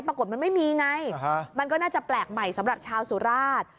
ปรากฏมันไม่มีไงมันก็น่าจะแปลกใหม่สำหรับชาวสุราช